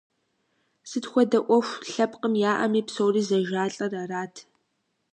Сыт хуэдэ ӏуэху лъэпкъым яӏэми псори зэжалӏэр арат.